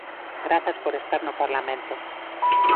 Grazas por estar no Parlamento.